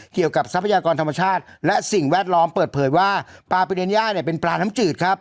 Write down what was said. ทรัพยากรธรรมชาติและสิ่งแวดล้อมเปิดเผยว่าปลาปิเดนย่าเนี่ยเป็นปลาน้ำจืดครับ